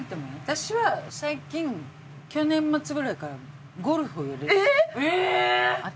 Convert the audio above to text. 私は最近去年末ぐらいからゴルフをやり始めた私。